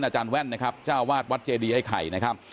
เจ้าวาดวัดเจดีไอ้ไข่นะครับ